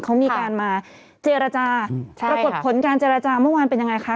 เขามีการมาเจรจาปรากฏผลการเจรจาเมื่อวานเป็นยังไงคะ